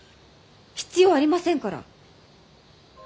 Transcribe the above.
必要ありませんから。